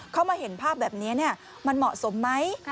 เข้ามาเห็นภาพแบบนี้มันเหมาะสมไหม